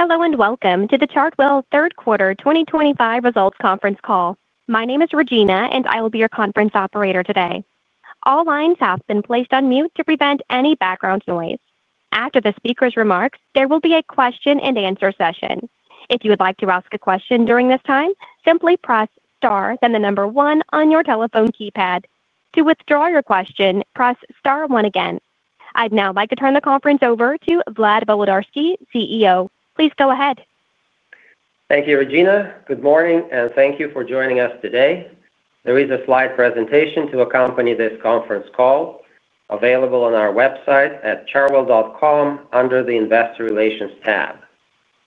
Hello and welcome to the Chartwell Third Quarter 2025 Results Conference call. My name is Regina, and I will be your conference operator today. All lines have been placed on mute to prevent any background noise. After the speaker's remarks, there will be a question-and-answer session. If you would like to ask a question during this time, simply press star, then the number one on your telephone keypad. To withdraw your question, press star one again. I'd now like to turn the conference over to Vlad Volodarski, CEO. Please go ahead. Thank you, Regina. Good morning, and thank you for joining us today. There is a slide presentation to accompany this conference call available on our website at chartwell.com under the Investor Relations tab.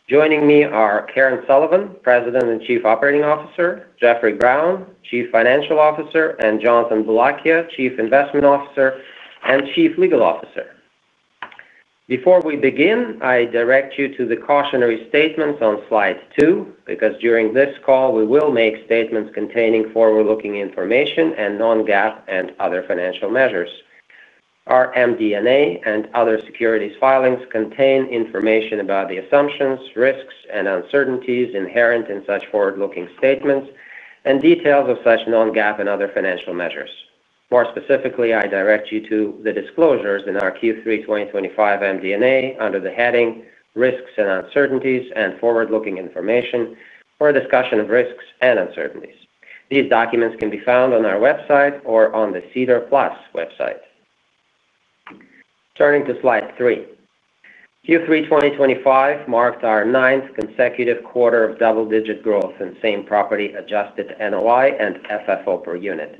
Joining me are Karen Sullivan, President and Chief Operating Officer; Jeffrey Brown, Chief Financial Officer; and Jonathan Boulakia, Chief Investment Officer and Chief Legal Officer. Before we begin, I direct you to the cautionary statements on slide two because during this call, we will make statements containing forward-looking information and non-GAAP and other financial measures. Our MD&A and other securities filings contain information about the assumptions, risks, and uncertainties inherent in such forward-looking statements and details of such non-GAAP and other financial measures. More specifically, I direct you to the disclosures in our Q3 2025 MD&A under the heading Risks and Uncertainties and Forward-Looking Information, for a discussion of risks and uncertainties. These documents can be found on our website or on the CEDAR Plus website. Turning to slide three, Q3 2025 marked our ninth consecutive quarter of double-digit growth in same-property adjusted NOI and FFO per unit.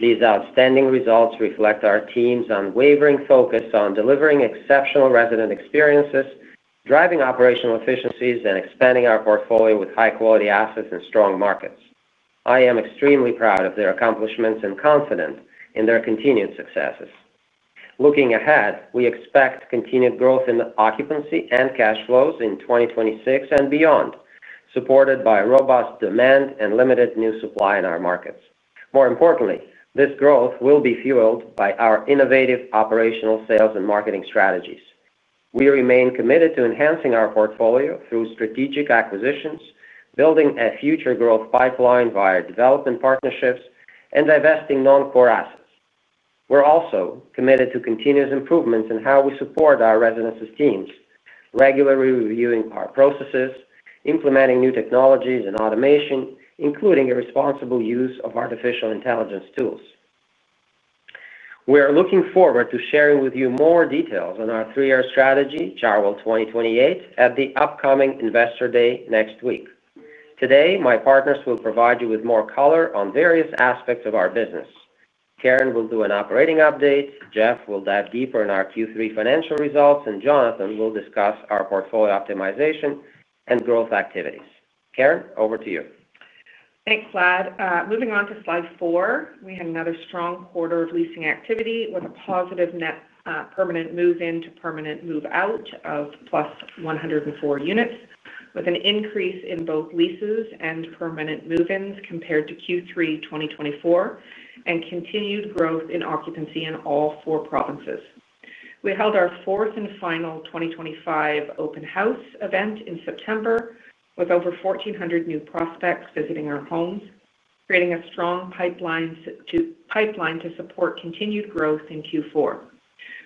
These outstanding results reflect our team's unwavering focus on delivering exceptional resident experiences, driving operational efficiencies, and expanding our portfolio with high-quality assets and strong markets. I am extremely proud of their accomplishments and confident in their continued successes. Looking ahead, we expect continued growth in occupancy and cash flows in 2026 and beyond, supported by robust demand and limited new supply in our markets. More importantly, this growth will be fueled by our innovative operational sales and marketing strategies. We remain committed to enhancing our portfolio through strategic acquisitions, building a future growth pipeline via development partnerships, and divesting non-core assets. We're also committed to continuous improvements in how we support our residences' teams, regularly reviewing our processes, implementing new technologies and automation, including a responsible use of artificial intelligence tools. We are looking forward to sharing with you more details on our three-year strategy, Chartwell 2028, at the upcoming Investor Day next week. Today, my partners will provide you with more color on various aspects of our business. Karen will do an operating update, Jeff will dive deeper in our Q3 financial results, and Jonathan will discuss our portfolio optimization and growth activities. Karen, over to you. Thanks, Vlad. Moving on to slide four, we had another strong quarter of leasing activity with a positive net permanent move-in to permanent move-out of +104 units, with an increase in both leases and permanent move-ins compared to Q3 2024, and continued growth in occupancy in all four provinces. We held our fourth and final 2025 open house event in September with over 1,400 new prospects visiting our homes, creating a strong pipeline to support continued growth in Q4.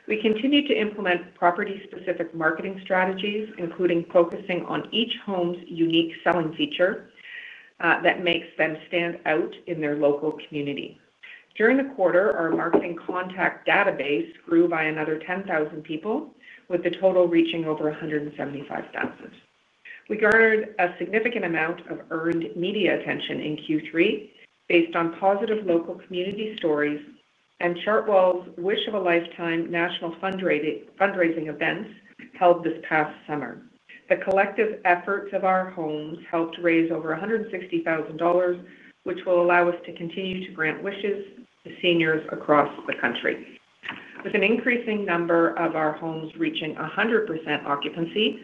We continued to implement property-specific marketing strategies, including focusing on each home's unique selling feature that makes them stand out in their local community. During the quarter, our marketing contact database grew by another 10,000 people, with the total reaching over 175,000. We garnered a significant amount of earned media attention in Q3 based on positive local community stories and Chartwell's Wish of a Lifetime national fundraising events held this past summer. The collective efforts of our homes helped raise over 160,000 dollars, which will allow us to continue to grant wishes to seniors across the country. With an increasing number of our homes reaching 100% occupancy,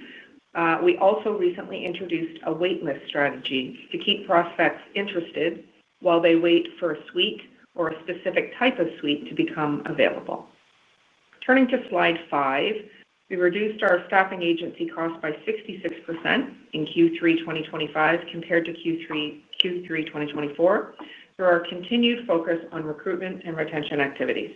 we also recently introduced a waitlist strategy to keep prospects interested while they wait for a suite or a specific type of suite to become available. Turning to slide five, we reduced our staffing agency cost by 66% in Q3 2025 compared to Q3 2024 through our continued focus on recruitment and retention activities.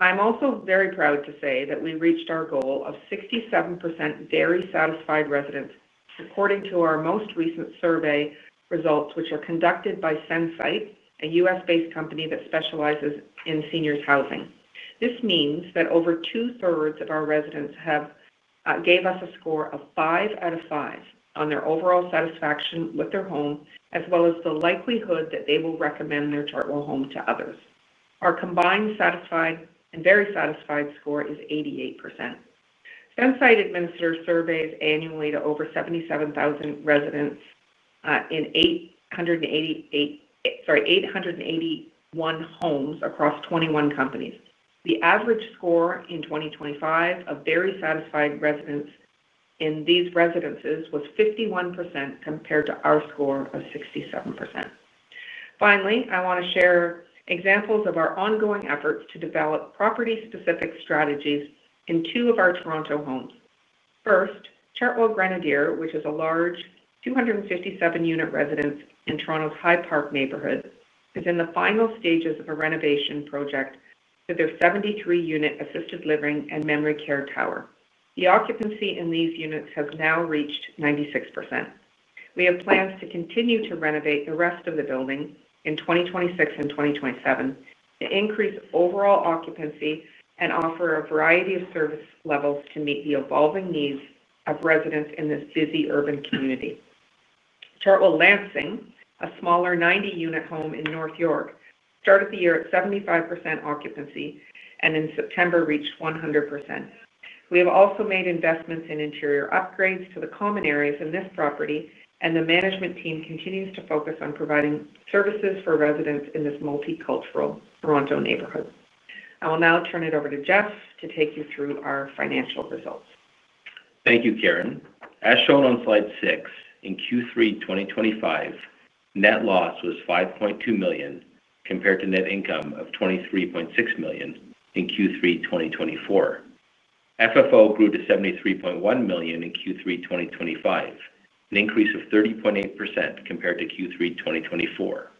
I'm also very proud to say that we reached our goal of 67% very satisfied residents, according to our most recent survey results, which were conducted by Sensis, a U.S.-based company that specializes in seniors housing. This means that over two-thirds of our residents gave us a score of five out of five on their overall satisfaction with their home, as well as the likelihood that they will recommend their Chartwell home to others. Our combined satisfied and very satisfied score is 88%. Sensis administers surveys annually to over 77,000 residents in 881 homes across 21 companies. The average score in 2025 of very satisfied residents in these residences was 51% compared to our score of 67%. Finally, I want to share examples of our ongoing efforts to develop property-specific strategies in two of our Toronto homes. First, Chartwell Grenadier, which is a large 257-unit residence in Toronto's Hyde Park neighborhood, is in the final stages of a renovation project to their 73-unit assisted living and memory care tower. The occupancy in these units has now reached 96%. We have plans to continue to renovate the rest of the building in 2026 and 2027 to increase overall occupancy and offer a variety of service levels to meet the evolving needs of residents in this busy urban community. Chartwell Lansing, a smaller 90-unit home in North York, started the year at 75% occupancy and in September reached 100%. We have also made investments in interior upgrades to the common areas in this property, and the management team continues to focus on providing services for residents in this multicultural Toronto neighborhood. I will now turn it over to Jeff to take you through our financial results. Thank you, Karen. As shown on slide six, in Q3 2025, net loss was 5.2 million compared to net income of 23.6 million in Q3 2024. FFO grew to 73.1 million in Q3 2025, an increase of 30.8% compared to Q3 2024.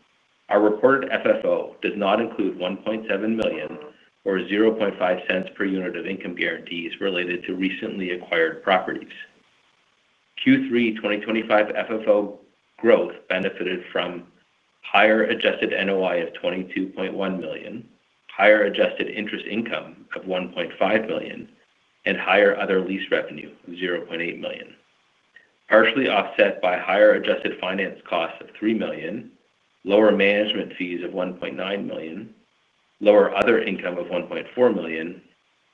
Our reported FFO does not include 1.7 million or 0.005 per unit of income guarantees related to recently acquired properties. Q3 2025 FFO growth benefited from higher adjusted NOI of 22.1 million, higher adjusted interest income of 1.5 million, and higher other lease revenue of 0.8 million, partially offset by higher adjusted finance costs of 3 million, lower management fees of 1.9 million, lower other income of 1.4 million,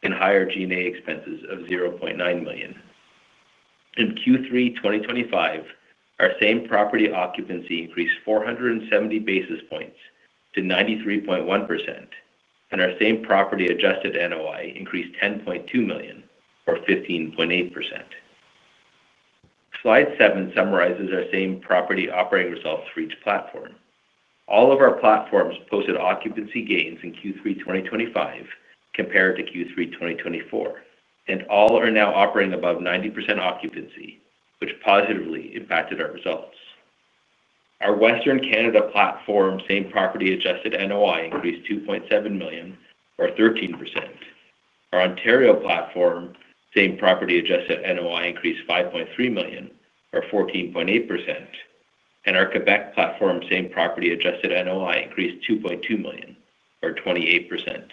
and higher G&A expenses of 0.9 million. In Q3 2025, our same property occupancy increased 470 basis points to 93.1%, and our same property adjusted NOI increased 10.2 million or 15.8%. Slide seven summarizes our same property operating results for each platform. All of our platforms posted occupancy gains in Q3 2025 compared to Q3 2024, and all are now operating above 90% occupancy, which positively impacted our results. Our Western Canada platform, same property adjusted NOI increased 2.7 million or 13%. Our Ontario platform, same property adjusted NOI increased 5.3 million or 14.8%, and our Quebec platform, same property adjusted NOI increased 2.2 million or 28%.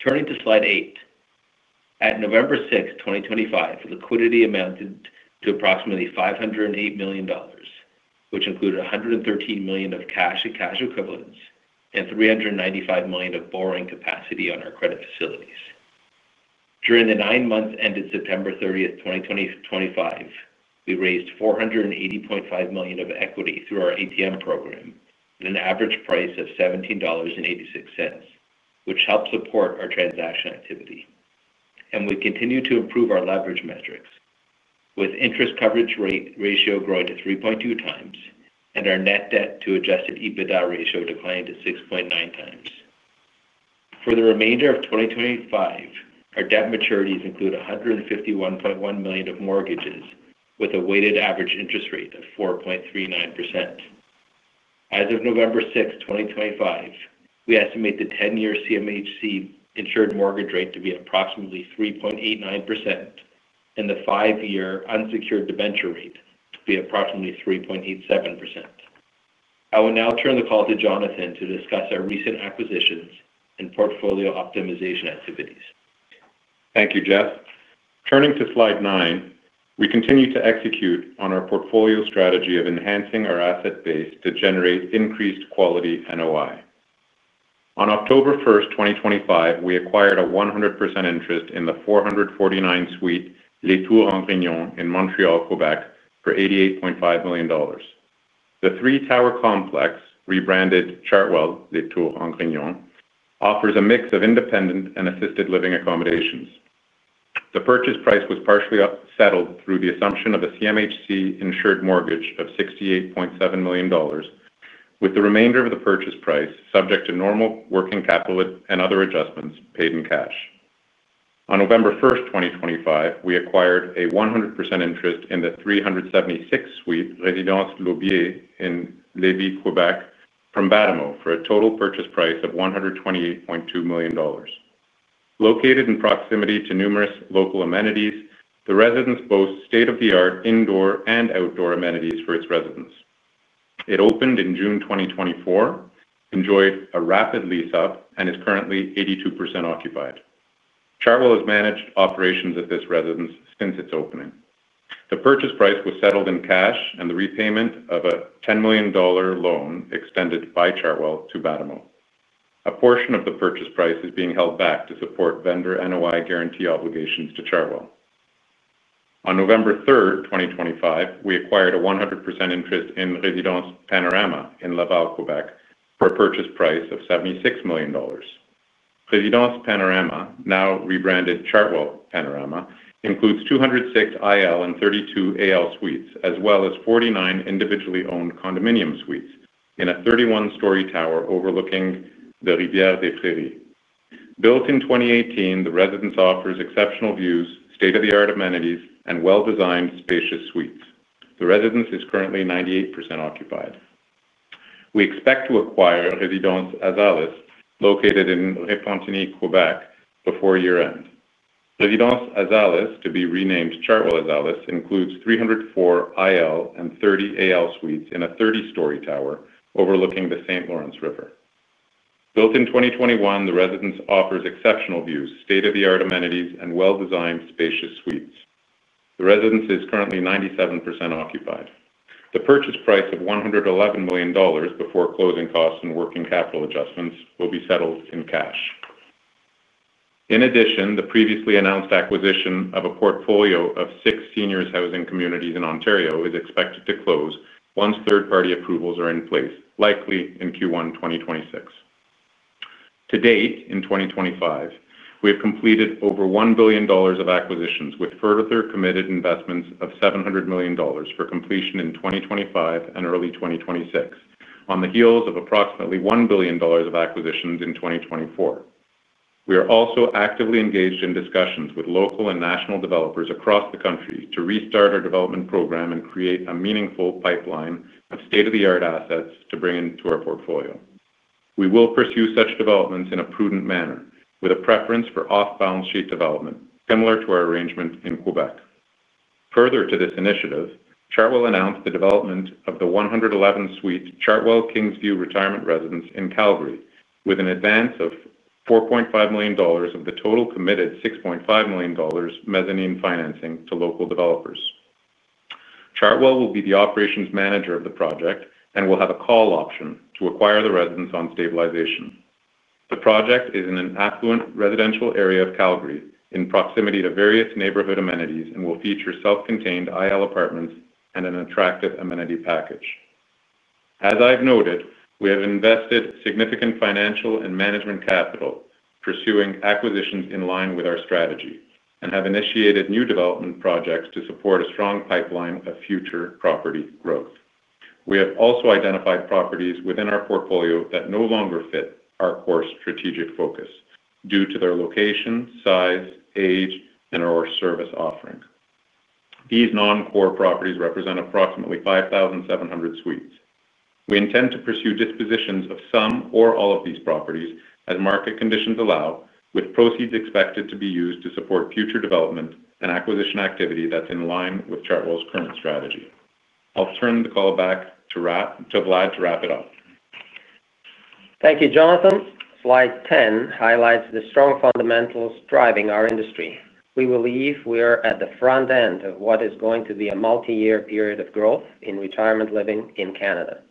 Turning to slide eight, at November 6, 2025, liquidity amounted to approximately 508 million dollars, which included 113 million of cash and cash equivalents and 395 million of borrowing capacity on our credit facilities. During the nine months ended September 30, 2025, we raised 480.5 million of equity through our ATM program at an average price of 17.86 dollars, which helped support our transaction activity. We continue to improve our leverage metrics, with interest coverage ratio growing to 3.2 times and our net debt to adjusted EBITDA ratio declined to 6.9 times. For the remainder of 2025, our debt maturities include 151.1 million of mortgages with a weighted average interest rate of 4.39%. As of November 6, 2025, we estimate the 10-year CMHC insured mortgage rate to be approximately 3.89% and the five-year unsecured dementia rate to be approximately 3.87%. I will now turn the call to Jonathan to discuss our recent acquisitions and portfolio optimization activities. Thank you, Jeff. Turning to slide nine, we continue to execute on our portfolio strategy of enhancing our asset base to generate increased quality NOI. On October 1, 2025, we acquired a 100% interest in the 449 suite Les Tours Engrignon in Montreal, Quebec for 88.5 million dollars. The three-tower complex, rebranded Chartwell Les Tours Engrignon, offers a mix of independent and assisted living accommodations. The purchase price was partially settled through the assumption of a CMHC insured mortgage of 68.7 million dollars, with the remainder of the purchase price subject to normal working capital and other adjustments paid in cash. On November 1, 2025, we acquired a 100% interest in the 376 suite Résidence Lauvier in Lévis, Quebec, from Vademo for a total purchase price of 128.2 million dollars. Located in proximity to numerous local amenities, the residence boasts state-of-the-art indoor and outdoor amenities for its residents. It opened in June 2024, enjoyed a rapid lease-up, and is currently 82% occupied. Chartwell has managed operations at this residence since its opening. The purchase price was settled in cash, and the repayment of a 10 million dollar loan extended by Chartwell to Vademo. A portion of the purchase price is being held back to support vendor NOI guarantee obligations to Chartwell. On November 3, 2025, we acquired a 100% interest in Résidence Panorama in Laval, Quebec, for 76 million dollars. Résidence Panorama, now rebranded Chartwell Panorama, includes 206 IL and 32 AL suites, as well as 49 individually owned condominium suites in a 31-story tower overlooking the Rivière des Prairies. Built in 2018, the residence offers exceptional views, state-of-the-art amenities, and well-designed, spacious suites. The residence is currently 98% occupied. We expect to acquire Résidence Azalis, located in Rue Pontigny, Quebec, before year-end. Résidence Azalis, to be renamed Chartwell Azalis, includes 304 IL and 30 AL suites in a 30-story tower overlooking the St. Lawrence River. Built in 2021, the residence offers exceptional views, state-of-the-art amenities, and well-designed, spacious suites. The residence is currently 97% occupied. The purchase price of 111 million dollars before closing costs and working capital adjustments will be settled in cash. In addition, the previously announced acquisition of a portfolio of six seniors' housing communities in Ontario is expected to close once third-party approvals are in place, likely in Q1 2026. To date, in 2025, we have completed over 1 billion dollars of acquisitions, with further committed investments of 700 million dollars for completion in 2025 and early 2026, on the heels of approximately 1 billion dollars of acquisitions in 2024. We are also actively engaged in discussions with local and national developers across the country to restart our development program and create a meaningful pipeline of state-of-the-art assets to bring into our portfolio. We will pursue such developments in a prudent manner, with a preference for off-balance sheet development, similar to our arrangement in Quebec. Further to this initiative, Chartwell announced the development of the 111-suite Chartwell Kingsview Retirement Residence in Calgary, with an advance of 4.5 million dollars of the total committed 6.5 million dollars mezzanine financing to local developers. Chartwell will be the operations manager of the project and will have a call option to acquire the residence on stabilization. The project is in an affluent residential area of Calgary in proximity to various neighborhood amenities and will feature self-contained IL apartments and an attractive amenity package. As I've noted, we have invested significant financial and management capital pursuing acquisitions in line with our strategy and have initiated new development projects to support a strong pipeline of future property growth. We have also identified properties within our portfolio that no longer fit our core strategic focus due to their location, size, age, and/or service offering. These non-core properties represent approximately 5,700 suites. We intend to pursue dispositions of some or all of these properties as market conditions allow, with proceeds expected to be used to support future development and acquisition activity that's in line with Chartwell's current strategy. I'll turn the call back to Vlad to wrap it up. Thank you, Jonathan. Slide 10 highlights the strong fundamentals driving our industry. We believe we are at the front end of what is going to be a multi-year period of growth in retirement living in Canada.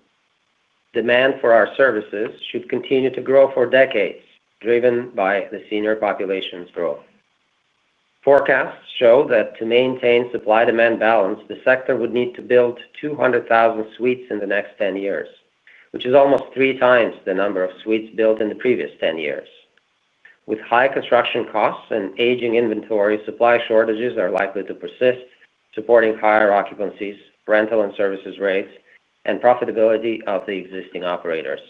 Demand for our services should continue to grow for decades, driven by the senior population's growth. Forecasts show that to maintain supply-demand balance, the sector would need to build 200,000 suites in the next 10 years, which is almost three times the number of suites built in the previous 10 years. With high construction costs and aging inventory, supply shortages are likely to persist, supporting higher occupancies, rental and services rates, and profitability of the existing operators.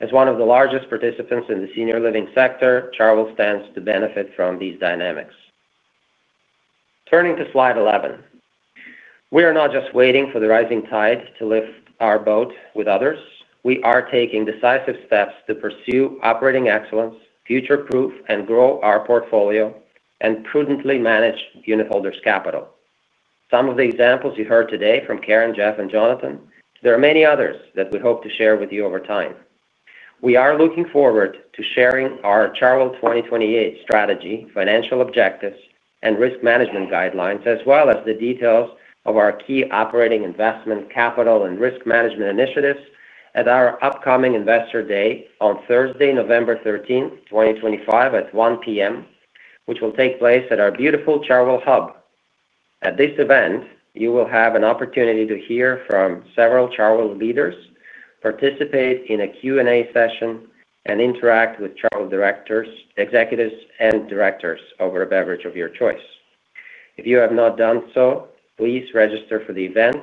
As one of the largest participants in the senior living sector, Chartwell stands to benefit from these dynamics. Turning to slide 11, we are not just waiting for the rising tide to lift our boat with others. We are taking decisive steps to pursue operating excellence, future-proof and grow our portfolio, and prudently manage unitholders' capital. Some of the examples you heard today from Karen, Jeff, and Jonathan, there are many others that we hope to share with you over time. We are looking forward to sharing our Chartwell 2028 strategy, financial objectives, and risk management guidelines, as well as the details of our key operating, investment, capital, and risk management initiatives at our upcoming Investor Day on Thursday, November 13, 2025, at 1:00 P.M., which will take place at our beautiful Chartwell hub. At this event, you will have an opportunity to hear from several Chartwell leaders, participate in a Q&A session, and interact with Chartwell executives and directors over a beverage of your choice. If you have not done so, please register for the event.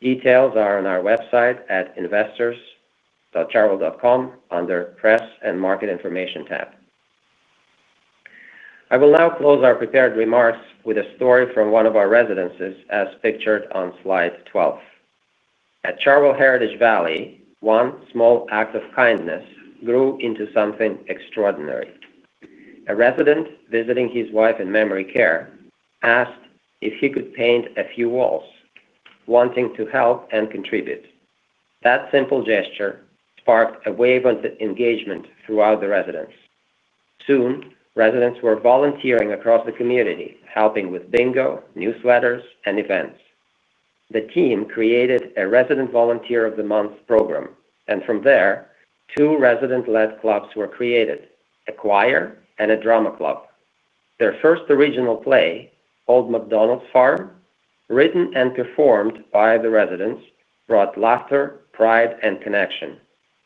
Details are on our website at investors.chartwell.com under Press and Market Information tab. I will now close our prepared remarks with a story from one of our residences as pictured on slide 12. At Chartwell Heritage Valley, one small act of kindness grew into something extraordinary. A resident visiting his wife in memory care asked if he could paint a few walls, wanting to help and contribute. That simple gesture sparked a wave of engagement throughout the residence. Soon, residents were volunteering across the community, helping with bingo, newsletters, and events. The team created a Resident Volunteer of the Month program, and from there, two resident-led clubs were created: a choir and a drama club. Their first original play, Old MacDonald's Farm, written and performed by the residents, brought laughter, pride, and connection,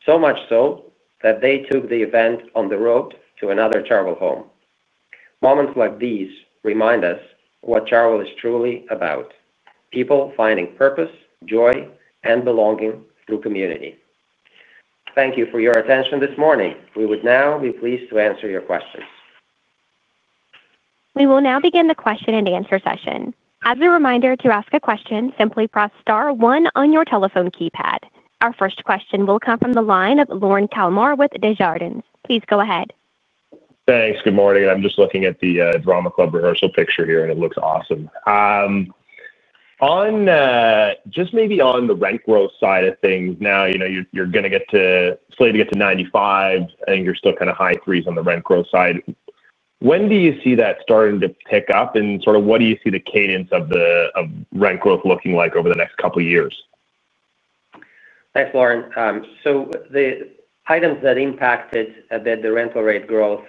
so much so that they took the event on the road to another Chartwell home. Moments like these remind us what Chartwell is truly about: people finding purpose, joy, and belonging through community. Thank you for your attention this morning. We would now be pleased to answer your questions. We will now begin the question-and-answer session. As a reminder, to ask a question, simply press star one on your telephone keypad. Our first question will come from the line of Lorne Kalmar with Desjardins. Please go ahead. Thanks. Good morning. I'm just looking at the drama club rehearsal picture here, and it looks awesome. Just maybe on the rent growth side of things, now you're going to get to slowly get to 95, and you're still kind of high threes on the rent growth side. When do you see that starting to pick up, and sort of what do you see the cadence of rent growth looking like over the next couple of years? Thanks, Lorne. The items that impacted a bit the rental rate growth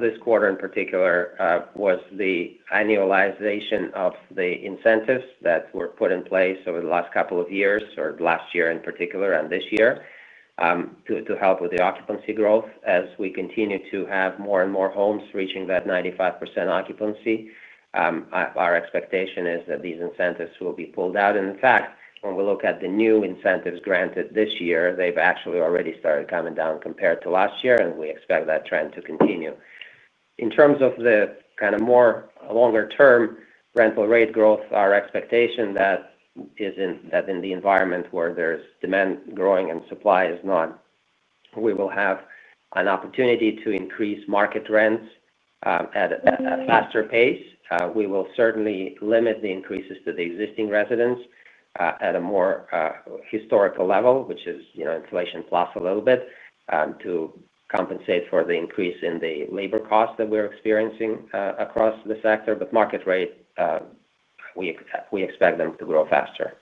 this quarter in particular was the annualization of the incentives that were put in place over the last couple of years, or last year in particular and this year, to help with the occupancy growth as we continue to have more and more homes reaching that 95% occupancy. Our expectation is that these incentives will be pulled out. In fact, when we look at the new incentives granted this year, they have actually already started coming down compared to last year, and we expect that trend to continue. In terms of the kind of more longer-term rental rate growth, our expectation is that in the environment where there is demand growing and supply is not, we will have an opportunity to increase market rents at a faster pace. We will certainly limit the increases to the existing residents at a more historical level, which is inflation plus a little bit, to compensate for the increase in the labor costs that we're experiencing across the sector. Market rate, we expect them to grow faster.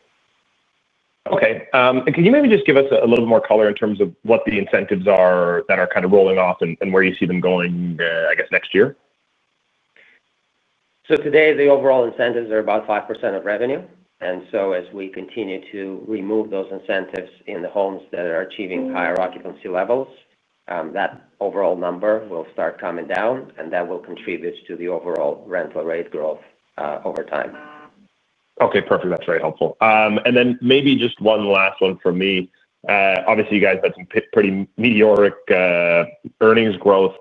Okay. Can you maybe just give us a little more color in terms of what the incentives are that are kind of rolling off and where you see them going, I guess, next year? Today, the overall incentives are about 5% of revenue. As we continue to remove those incentives in the homes that are achieving higher occupancy levels, that overall number will start coming down, and that will contribute to the overall rental rate growth over time. Okay. Perfect. That's very helpful. And then maybe just one last one from me. Obviously, you guys had some pretty meteoric earnings growth.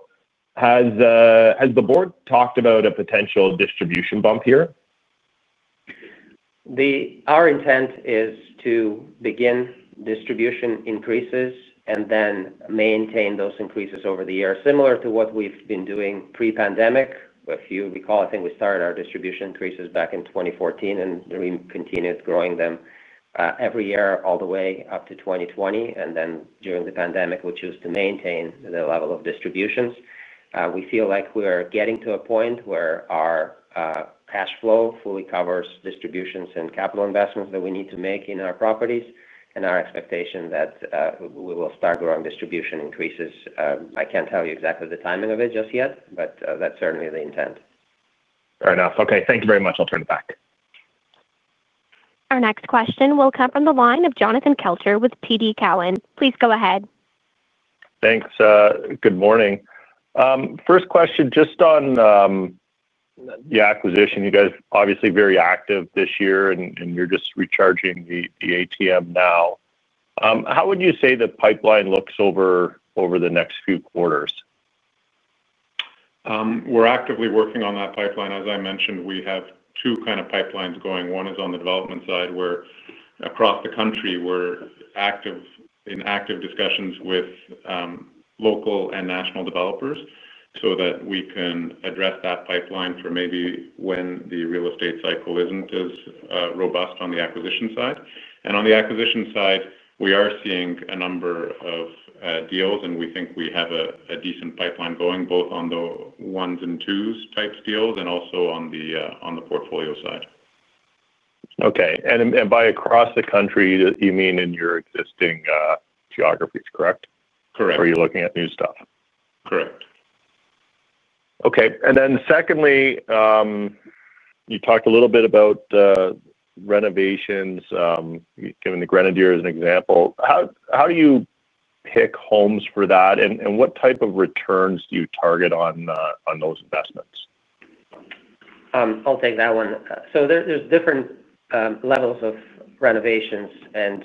Has the board talked about a potential distribution bump here? Our intent is to begin distribution increases and then maintain those increases over the year, similar to what we've been doing pre-pandemic. If you recall, I think we started our distribution increases back in 2014, and we continued growing them every year all the way up to 2020. During the pandemic, we chose to maintain the level of distributions. We feel like we are getting to a point where our cash flow fully covers distributions and capital investments that we need to make in our properties, and our expectation that we will start growing distribution increases. I can't tell you exactly the timing of it just yet, but that's certainly the intent. Fair enough. Okay. Thank you very much. I'll turn it back. Our next question will come from the line of Jonathan Kelcher with TD Cowen. Please go ahead. Thanks. Good morning. First question, just on the acquisition. You guys are obviously very active this year, and you're just recharging the ATM now. How would you say the pipeline looks over the next few quarters? We're actively working on that pipeline. As I mentioned, we have two kind of pipelines going. One is on the development side where across the country, we're in active discussions with local and national developers so that we can address that pipeline for maybe when the real estate cycle isn't as robust on the acquisition side. On the acquisition side, we are seeing a number of deals, and we think we have a decent pipeline going both on the ones and twos type deals and also on the portfolio side. Okay. And by across the country, you mean in your existing geographies, correct? Correct. You're looking at new stuff? Correct. Okay. Secondly, you talked a little bit about renovations, giving the Grenadier as an example. How do you pick homes for that, and what type of returns do you target on those investments? I'll take that one. There are different levels of renovations and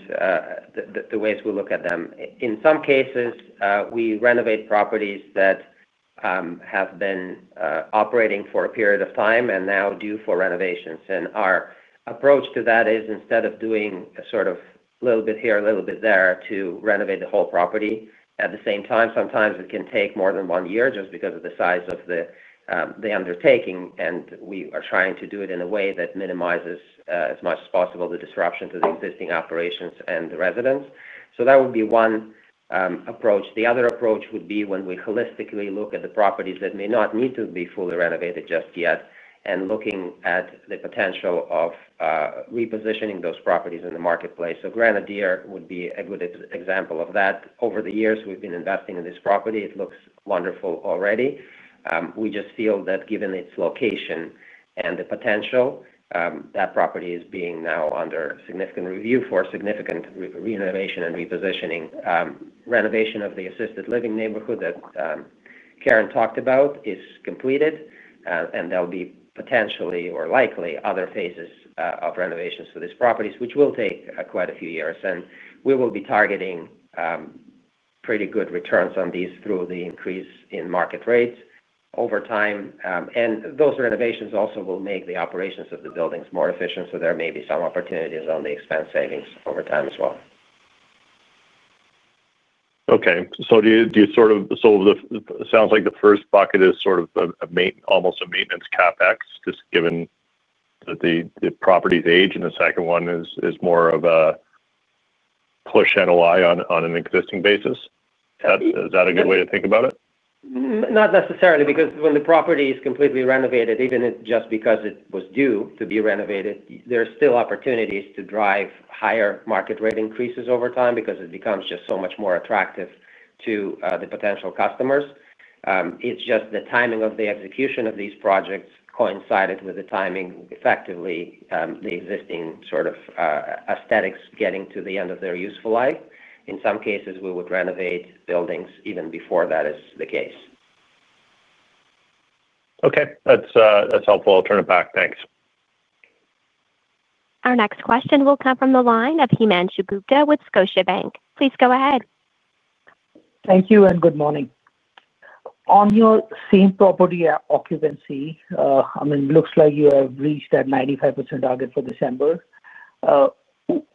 the ways we look at them. In some cases, we renovate properties that have been operating for a period of time and are now due for renovations. Our approach to that is, instead of doing a little bit here, a little bit there, to renovate the whole property at the same time. Sometimes it can take more than one year just because of the size of the undertaking. We are trying to do it in a way that minimizes as much as possible the disruption to the existing operations and the residents. That would be one approach. The other approach would be when we holistically look at the properties that may not need to be fully renovated just yet and look at the potential of repositioning those properties in the marketplace. Grenadier would be a good example of that. Over the years, we've been investing in this property. It looks wonderful already. We just feel that given its location and the potential, that property is being now under significant review for significant renovation and repositioning. Renovation of the assisted living neighborhood that Karen talked about is completed, and there'll be potentially or likely other phases of renovations for these properties, which will take quite a few years. We will be targeting pretty good returns on these through the increase in market rates over time. Those renovations also will make the operations of the buildings more efficient, so there may be some opportunities on the expense savings over time as well. Okay. Do you sort of, so it sounds like the first bucket is sort of almost a maintenance CapEx, just given that the properties age, and the second one is more of a push NOI on an existing basis. Is that a good way to think about it? Not necessarily, because when the property is completely renovated, even just because it was due to be renovated, there are still opportunities to drive higher market rate increases over time because it becomes just so much more attractive to the potential customers. It is just the timing of the execution of these projects coincided with the timing, effectively, the existing sort of aesthetics getting to the end of their useful life. In some cases, we would renovate buildings even before that is the case. Okay. That's helpful. I'll turn it back. Thanks. Our next question will come from the line of Himanshu Gupta with Scotiabank. Please go ahead. Thank you, and good morning. On your same property occupancy, I mean, it looks like you have reached that 95% target for December.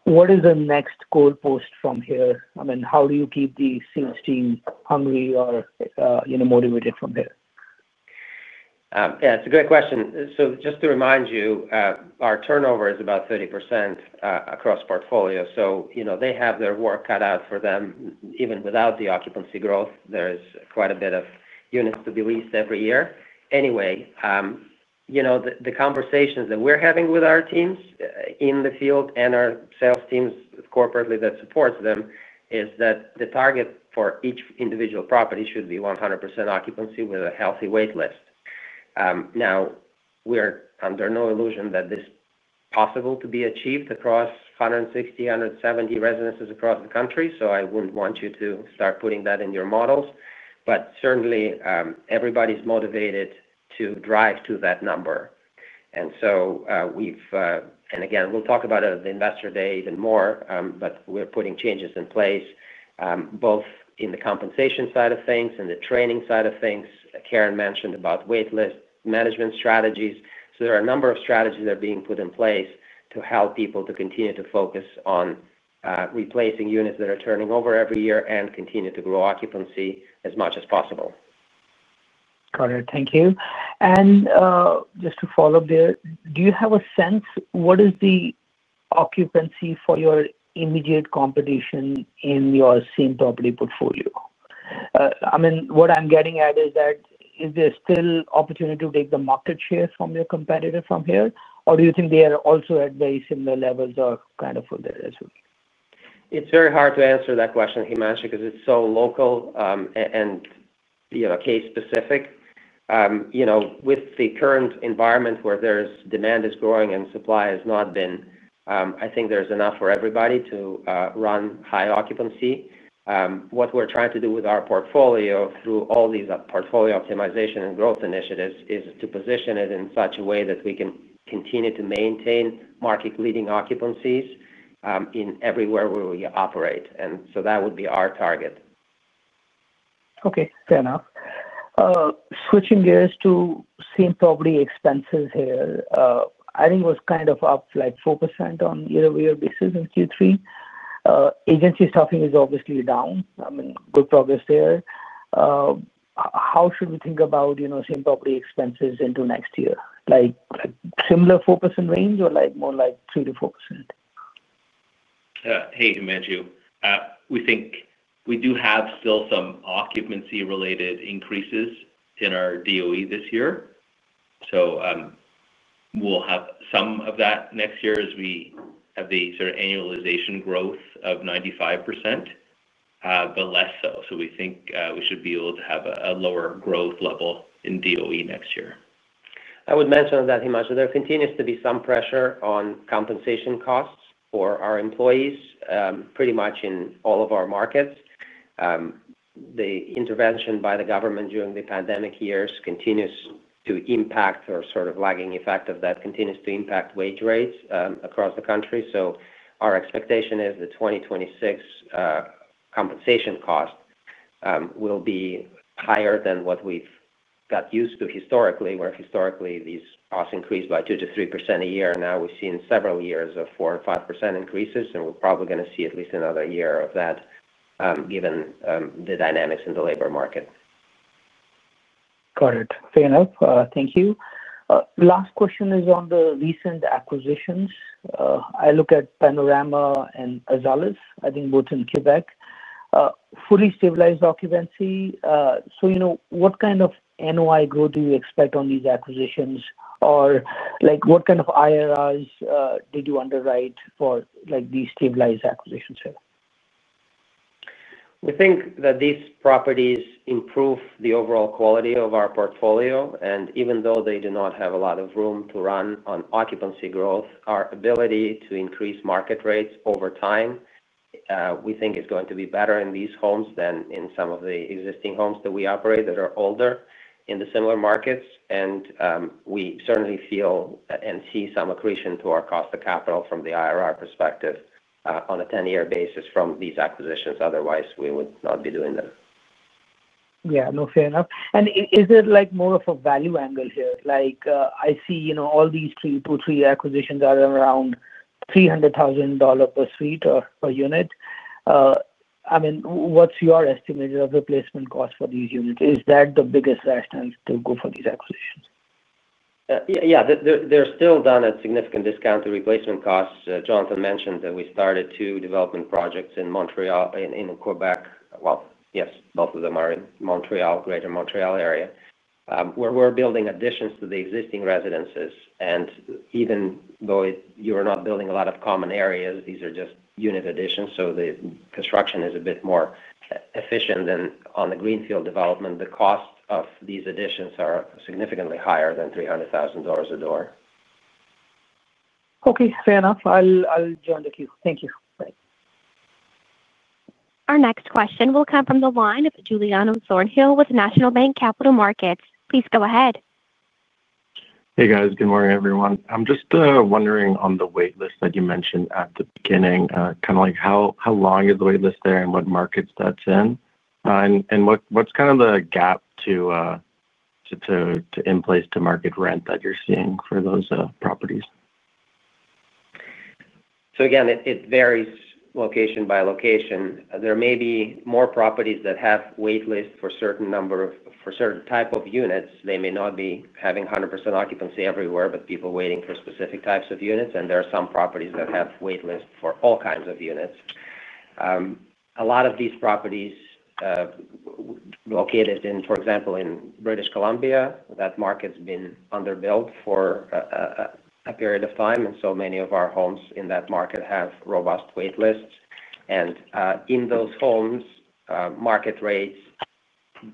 What is the next goal post from here? I mean, how do you keep the sales team hungry or motivated from here? Yeah. It's a great question. Just to remind you, our turnover is about 30% across portfolio. They have their work cut out for them. Even without the occupancy growth, there is quite a bit of units to be leased every year. Anyway, the conversations that we're having with our teams in the field and our sales teams corporately that supports them is that the target for each individual property should be 100% occupancy with a healthy waitlist. Now, we're under no illusion that this is possible to be achieved across 160-170 residences across the country, so I wouldn't want you to start putting that in your models. Certainly, everybody's motivated to drive to that number. We have—and again, we will talk about it at the Investor Day even more—but we are putting changes in place, both on the compensation side of things and the training side of things. Karen mentioned waitlist management strategies. There are a number of strategies that are being put in place to help people continue to focus on replacing units that are turning over every year and continue to grow occupancy as much as possible. Got it, thank you. Just to follow up there, do you have a sense what is the occupancy for your immediate competition in your same property portfolio? I mean, what I'm getting at is that is there still opportunity to take the market share from your competitor from here, or do you think they are also at very similar levels or kind of further as well? It's very hard to answer that question, Himanshu, because it's so local and case-specific. With the current environment where demand is growing and supply has not been, I think there's enough for everybody to run high occupancy. What we're trying to do with our portfolio through all these portfolio optimization and growth initiatives is to position it in such a way that we can continue to maintain market-leading occupancies in everywhere where we operate. That would be our target. Okay. Fair enough. Switching gears to same property expenses here, I think it was kind of up like 4% on year-over-year basis in Q3. Agency staffing is obviously down. I mean, good progress there. How should we think about same property expenses into next year? Like similar 4% range or more like 3-4%? Hey, Himanshu. We think we do have still some occupancy-related increases in our DOE this year. We'll have some of that next year as we have the sort of annualization growth of 95%, but less so. We think we should be able to have a lower growth level in DOE next year. I would mention that, Himanshu, there continues to be some pressure on compensation costs for our employees pretty much in all of our markets. The intervention by the government during the pandemic years continues to impact, or sort of lagging effect of that continues to impact, wage rates across the country. Our expectation is the 2026 compensation cost will be higher than what we've got used to historically, where historically these costs increased by 2-3% a year. Now we've seen several years of 4-5% increases, and we're probably going to see at least another year of that given the dynamics in the labor market. Got it. Fair enough. Thank you. Last question is on the recent acquisitions. I look at Panorama and Azalis, I think both in Quebec. Fully stabilized occupancy. What kind of NOI growth do you expect on these acquisitions, or what kind of IRRs did you underwrite for these stabilized acquisitions here? We think that these properties improve the overall quality of our portfolio. Even though they do not have a lot of room to run on occupancy growth, our ability to increase market rates over time, we think, is going to be better in these homes than in some of the existing homes that we operate that are older in the similar markets. We certainly feel and see some accretion to our cost of capital from the IRR perspective on a 10-year basis from these acquisitions. Otherwise, we would not be doing that. Yeah. No, fair enough. Is it more of a value angle here? I see all these three acquisitions are around 300,000 dollar per suite or per unit. I mean, what's your estimated replacement cost for these units? Is that the biggest reason to go for these acquisitions? Yeah. They're still done at significant discount to replacement costs. Jonathan mentioned that we started two development projects in Quebec. Yes, both of them are in Montréal, greater Montréal area, where we're building additions to the existing residences. Even though you are not building a lot of common areas, these are just unit additions, so the construction is a bit more efficient. On the greenfield development, the cost of these additions are significantly higher than 300,000 dollars a door. Okay. Fair enough. I'll join the queue. Thank you. Our next question will come from the line of Giuliano Thornhill with National Bank Capital Markets. Please go ahead. Hey, guys. Good morning, everyone. I'm just wondering on the waitlist that you mentioned at the beginning, kind of how long is the waitlist there and what markets that's in? What's kind of the gap to in place to market rent that you're seeing for those properties? Again, it varies location by location. There may be more properties that have waitlists for a certain number of, for a certain type of units. They may not be having 100% occupancy everywhere, but people waiting for specific types of units. There are some properties that have waitlists for all kinds of units. A lot of these properties are located in, for example, in British Columbia. That market's been underbuilt for a period of time. Many of our homes in that market have robust waitlists. In those homes, market rates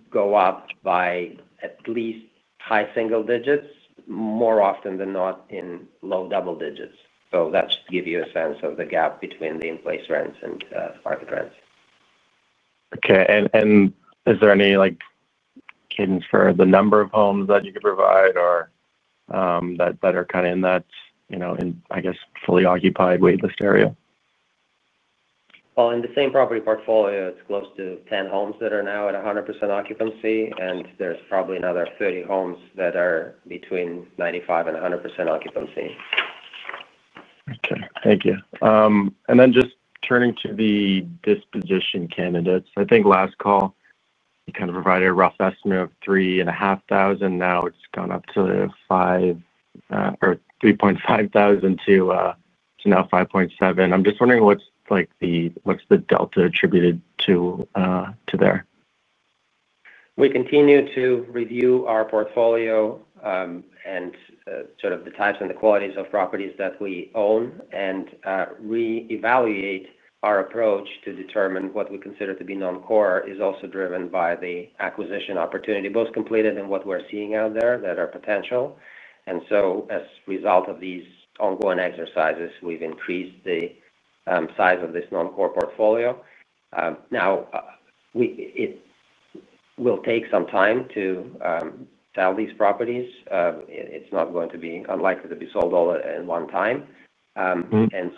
go up by at least high single digits, more often than not in low double digits. That should give you a sense of the gap between the in-place rents and market rents. Okay. Is there any cadence for the number of homes that you could provide that are kind of in that, I guess, fully occupied waitlist area? In the same property portfolio, it's close to 10 homes that are now at 100% occupancy, and there's probably another 30 homes that are between 95% and 100% occupancy. Okay. Thank you. Then just turning to the disposition candidates. I think last call, you kind of provided a rough estimate of 3,500. Now it's gone up to 5 or 3.5 thousand to now 5.7. I'm just wondering what's the delta attributed to there? We continue to review our portfolio and sort of the types and the qualities of properties that we own. We reevaluate our approach to determine what we consider to be non-core is also driven by the acquisition opportunity both completed and what we are seeing out there that are potential. As a result of these ongoing exercises, we have increased the size of this non-core portfolio. Now, it will take some time to sell these properties. It is not going to be unlikely to be sold all at one time. I would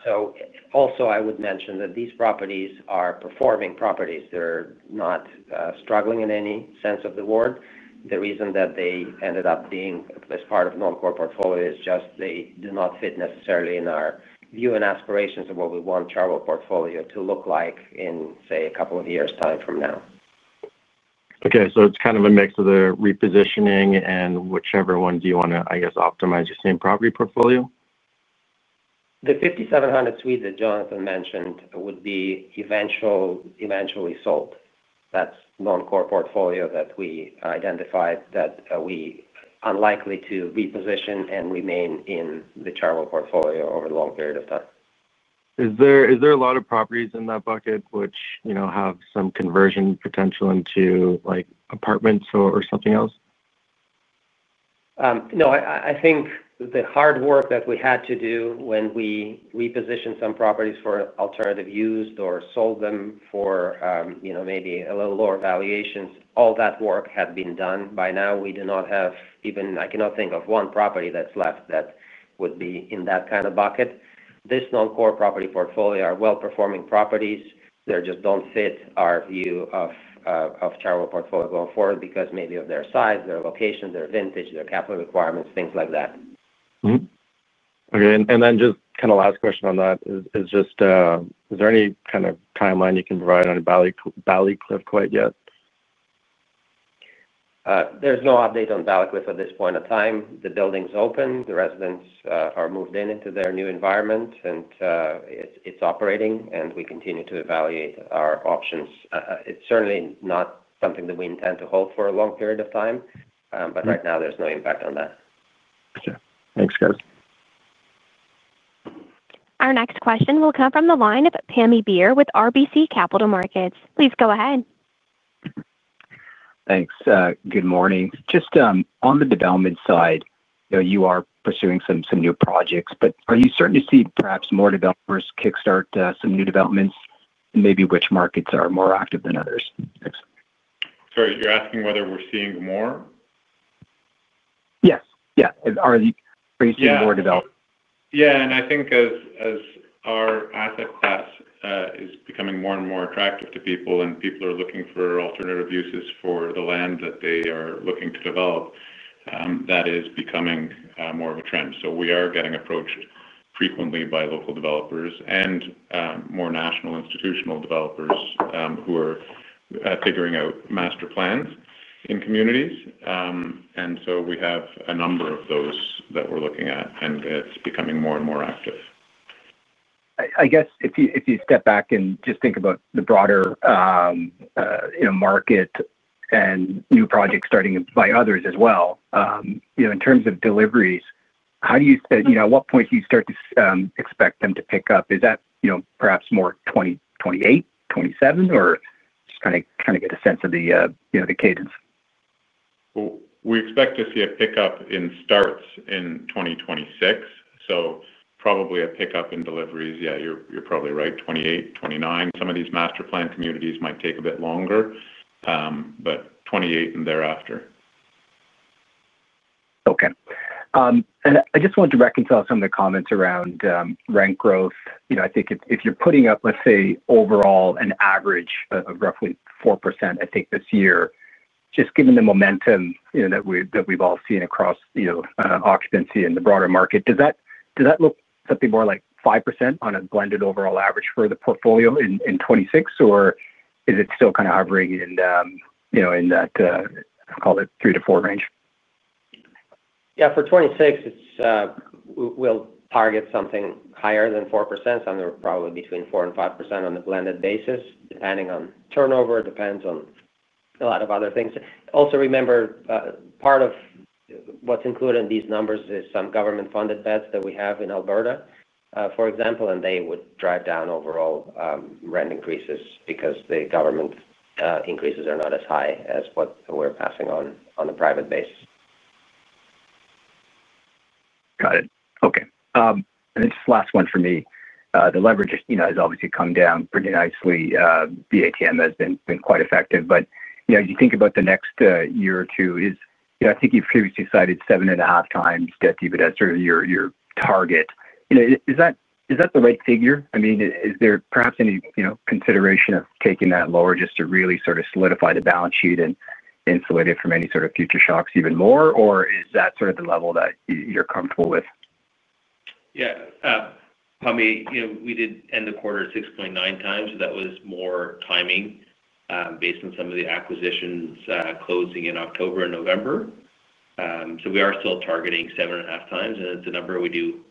also mention that these properties are performing properties. They are not struggling in any sense of the word. The reason that they ended up being as part of non-core portfolio is just they do not fit necessarily in our view and aspirations of what we want Chartwell portfolio to look like in, say, a couple of years' time from now. Okay. So it's kind of a mix of the repositioning and whichever one do you want to, I guess, optimize your same property portfolio? The 5,700 suite that Jonathan mentioned would be eventually sold. That's non-core portfolio that we identified that we are unlikely to reposition and remain in the Chartwell portfolio over a long period of time. Is there a lot of properties in that bucket which have some conversion potential into apartments or something else? No. I think the hard work that we had to do when we repositioned some properties for alternative use or sold them for maybe a little lower valuations, all that work had been done. By now, we do not have even I cannot think of one property that is left that would be in that kind of bucket. This non-core property portfolio are well-performing properties. They just do not fit our view of Chartwell portfolio going forward because maybe of their size, their location, their vintage, their capital requirements, things like that. Okay. And then just kind of last question on that is just, is there any kind of timeline you can provide on Valley Cliff quite yet? There's no update on Valley Cliff at this point in time. The building's open. The residents are moved in into their new environment, and it's operating, and we continue to evaluate our options. It's certainly not something that we intend to hold for a long period of time, but right now, there's no impact on that. Okay. Thanks, guys. Our next question will come from the line of Pammi Bir with RBC Capital Markets. Please go ahead. Thanks. Good morning. Just on the development side, you are pursuing some new projects, but are you starting to see perhaps more developers kickstart some new developments? Maybe which markets are more active than others? Sorry. You're asking whether we're seeing more? Yes. Yeah. Are you seeing more developments? Yeah. I think as our asset class is becoming more and more attractive to people and people are looking for alternative uses for the land that they are looking to develop, that is becoming more of a trend. We are getting approached frequently by local developers and more national institutional developers who are figuring out master plans in communities. We have a number of those that we're looking at, and it's becoming more and more active. I guess if you step back and just think about the broader market and new projects starting by others as well, in terms of deliveries, how do you—at what point do you start to expect them to pick up? Is that perhaps more 2028, 2027, or just kind of get a sense of the cadence? We expect to see a pickup in starts in 2026. Probably a pickup in deliveries. Yeah, you're probably right. 2028, 2029. Some of these master plan communities might take a bit longer, but 2028 and thereafter. Okay. I just wanted to reconcile some of the comments around rent growth. I think if you're putting up, let's say, overall an average of roughly 4%, I think this year, just given the momentum that we've all seen across occupancy in the broader market, does that look something more like 5% on a blended overall average for the portfolio in 2026, or is it still kind of hovering in that, I'll call it, 3-4% range? Yeah. For 2026, we'll target something higher than 4%. So probably between 4-5% on a blended basis, depending on turnover, depends on a lot of other things. Also, remember, part of what's included in these numbers is some government-funded beds that we have in Alberta, for example, and they would drive down overall rent increases because the government increases are not as high as what we're passing on a private basis. Got it. Okay. This last one for me. The leverage has obviously come down pretty nicely. The ATM has been quite effective. As you think about the next year or two, I think you've previously cited 7.5 times debt to you, but that's sort of your target. Is that the right figure? I mean, is there perhaps any consideration of taking that lower just to really sort of solidify the balance sheet and insulate it from any sort of future shocks even more, or is that sort of the level that you're comfortable with? Yeah. Pammi, we did end the quarter 6.9 times. That was more timing based on some of the acquisitions closing in October and November. We are still targeting 7.5 times, and it's a number we do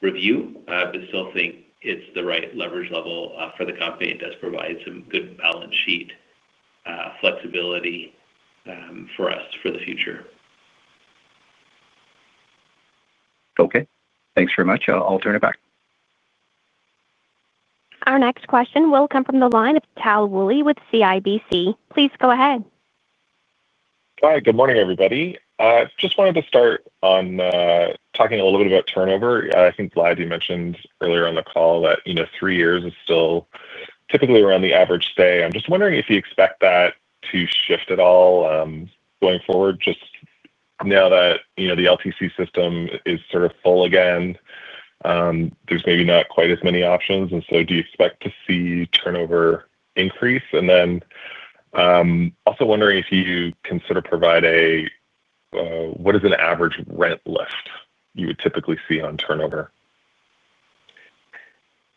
review, but still think it's the right leverage level for the company. It does provide some good balance sheet flexibility for us for the future. Okay. Thanks very much. I'll turn it back. Our next question will come from the line of Tal Woolley with CIBC. Please go ahead. Hi. Good morning, everybody. Just wanted to start on talking a little bit about turnover. I think, Vlad, you mentioned earlier on the call that three years is still typically around the average stay. I'm just wondering if you expect that to shift at all going forward, just now that the LTC system is sort of full again. There's maybe not quite as many options. Do you expect to see turnover increase? Also wondering if you can sort of provide a—what is an average rent lift you would typically see on turnover?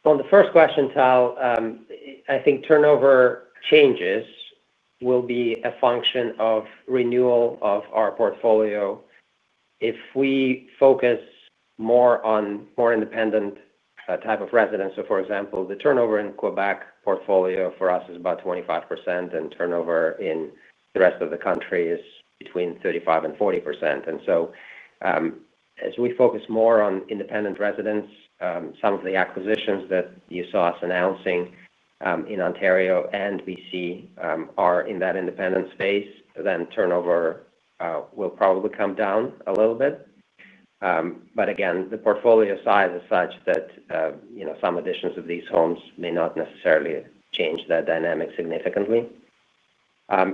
The first question, Tal, I think turnover changes will be a function of renewal of our portfolio. If we focus more on more independent type of residents, for example, the turnover in Quebec portfolio for us is about 25%, and turnover in the rest of the country is between 35-40%. As we focus more on independent residents, some of the acquisitions that you saw us announcing in Ontario and British Columbia are in that independent space, then turnover will probably come down a little bit. Again, the portfolio size is such that some additions of these homes may not necessarily change that dynamic significantly.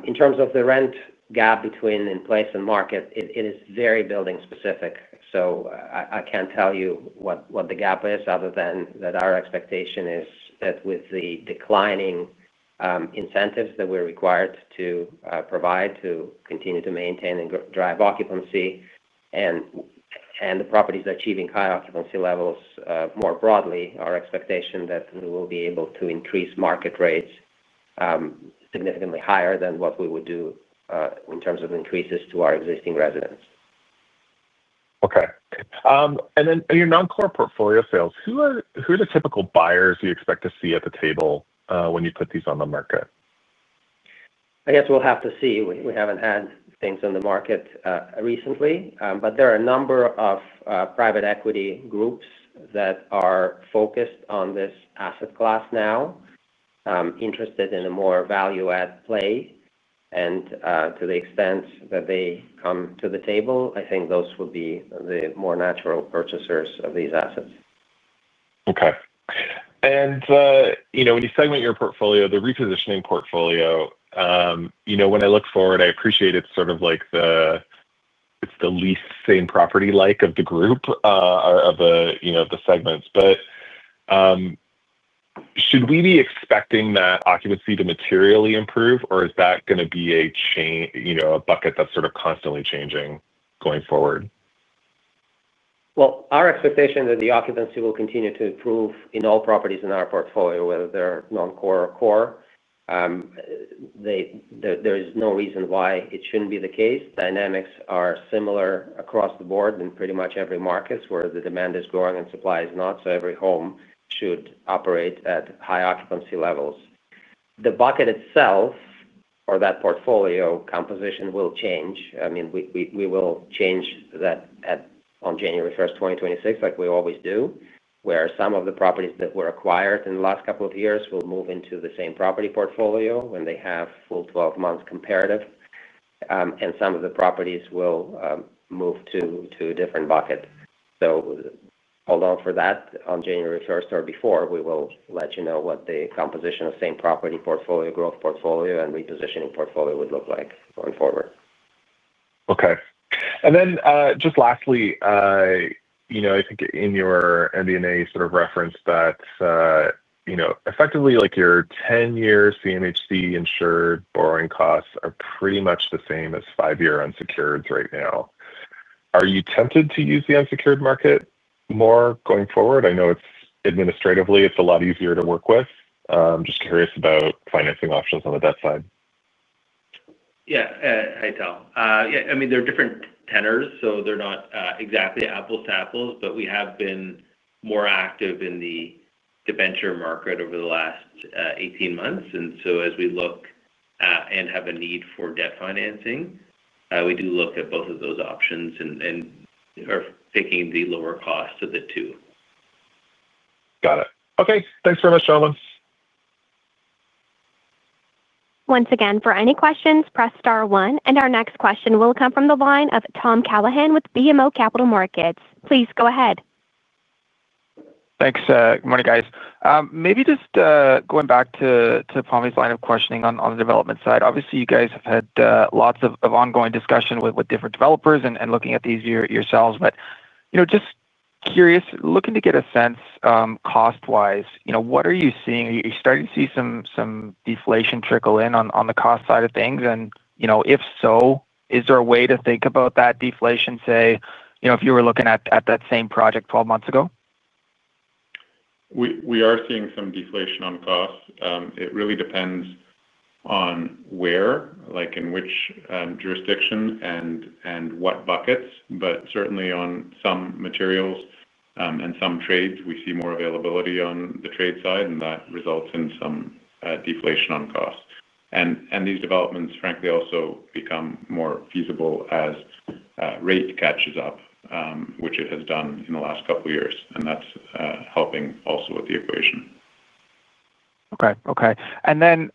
In terms of the rent gap between in-place and market, it is very building-specific. I can't tell you what the gap is other than that our expectation is that with the declining incentives that we're required to provide to continue to maintain and drive occupancy, and the properties are achieving high occupancy levels more broadly, our expectation is that we will be able to increase market rates significantly higher than what we would do in terms of increases to our existing residents. Okay. Your non-core portfolio sales, who are the typical buyers you expect to see at the table when you put these on the market? I guess we'll have to see. We haven't had things on the market recently, but there are a number of private equity groups that are focused on this asset class now, interested in a more value-add play. To the extent that they come to the table, I think those would be the more natural purchasers of these assets. Okay. When you segment your portfolio, the repositioning portfolio, when I look forward, I appreciate it's sort of like the least same property-like of the group of the segments. Should we be expecting that occupancy to materially improve, or is that going to be a bucket that's sort of constantly changing going forward? Our expectation is that the occupancy will continue to improve in all properties in our portfolio, whether they're non-core or core. There is no reason why it shouldn't be the case. Dynamics are similar across the board in pretty much every market where the demand is growing and supply is not, so every home should operate at high occupancy levels. The bucket itself, or that portfolio composition, will change. I mean, we will change that on January 1, 2026, like we always do, where some of the properties that were acquired in the last couple of years will move into the same property portfolio when they have full 12 months comparative, and some of the properties will move to a different bucket. Hold on for that. On January 1st or before, we will let you know what the composition of same property portfolio, growth portfolio, and repositioning portfolio would look like going forward. Okay. And then just lastly, I think in your MD&A sort of reference that effectively your 10-year CMHC insured borrowing costs are pretty much the same as 5-year unsecured right now. Are you tempted to use the unsecured market more going forward? I know administratively, it's a lot easier to work with. I'm just curious about financing options on the debt side. Yeah. Hi, Tal. Yeah. I mean, they're different tenors, so they're not exactly apples to apples, but we have been more active in the debenture market over the last 18 months. As we look and have a need for debt financing, we do look at both of those options and are picking the lower cost of the two. Got it. Okay. Thanks very much, Jonathan. Once again, for any questions, press star one. Our next question will come from the line of Tom Callaghan with BMO Capital Markets. Please go ahead. Thanks. Good morning, guys. Maybe just going back to Pammi's line of questioning on the development side. Obviously, you guys have had lots of ongoing discussion with different developers and looking at these yourselves. Just curious, looking to get a sense cost-wise, what are you seeing? Are you starting to see some deflation trickle in on the cost side of things? If so, is there a way to think about that deflation, say, if you were looking at that same project 12 months ago? We are seeing some deflation on cost. It really depends on where, in which jurisdiction, and what buckets. Certainly, on some materials and some trades, we see more availability on the trade side, and that results in some deflation on cost. These developments, frankly, also become more feasible as rate catches up, which it has done in the last couple of years. That is helping also with the equation. Okay. Okay.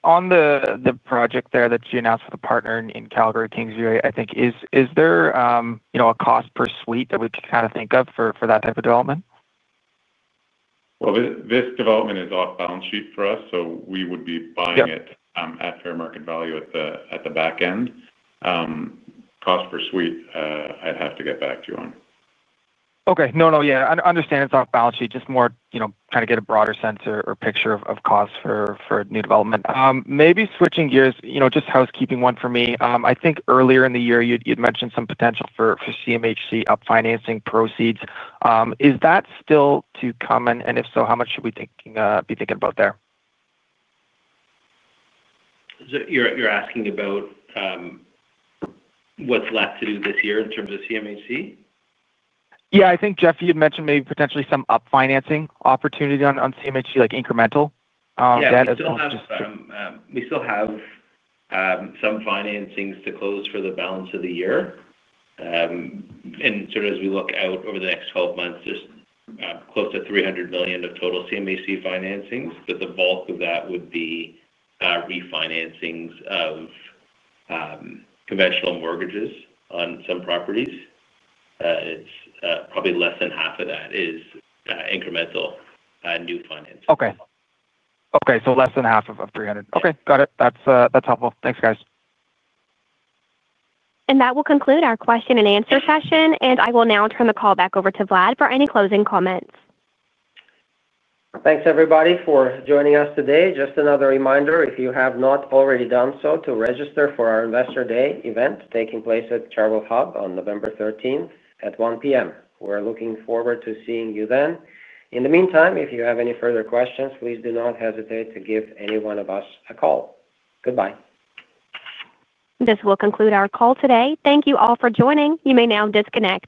On the project there that you announced with a partner in Calgary, Kingsview, I think, is there a cost per suite that we could kind of think of for that type of development? This development is off balance sheet for us, so we would be buying it at fair market value at the back end. Cost per suite, I'd have to get back to you on. Okay. No, no. Yeah. I understand it's off balance sheet, just more trying to get a broader sense or picture of cost for a new development. Maybe switching gears, just housekeeping one for me. I think earlier in the year, you'd mentioned some potential for CMHC upfinancing proceeds. Is that still to come? If so, how much should we be thinking about there? You're asking about what's left to do this year in terms of CMHC? Yeah. I think, Jeff, you'd mentioned maybe potentially some upfinancing opportunity on CMHC, like incremental. Yeah. We still have some financings to close for the balance of the year. As we look out over the next 12 months, just close to 300 million of total CMHC financings. The bulk of that would be refinancings of conventional mortgages on some properties. It's probably less than half of that is incremental new financing. Okay. Okay. So less than half of 300. Okay. Got it. That's helpful. Thanks, guys. That will conclude our question and answer session. I will now turn the call back over to Vlad for any closing comments. Thanks, everybody, for joining us today. Just another reminder, if you have not already done so, to register for our Investor Day event taking place at Chartwell Hub on November 13th at 1:00 P.M. We're looking forward to seeing you then. In the meantime, if you have any further questions, please do not hesitate to give any one of us a call. Goodbye. This will conclude our call today. Thank you all for joining. You may now disconnect.